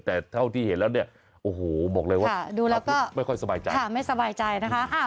แต่เท่าที่เห็นแล้วเนี่ยโอ้โหบอกเลยว่าดูแล้วก็ไม่ค่อยสบายใจค่ะไม่สบายใจนะคะ